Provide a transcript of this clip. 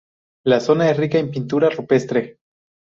La zona es rica en pintura rupestre.